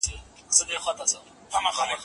سیاست په دولت کې تر هر څه ډېر مهم دی.